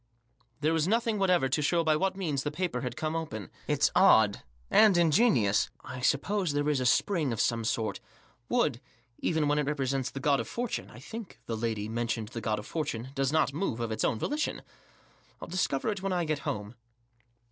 There was nothing whatever to show by what means the paper had come open. " It's odd, and ingenious. I suppose there is a spring of some sort ; wood, even when it represents the God of Fortune— I think the lady mentioned the God of Fortune— does not move of its own volition, Til discover it when I get home."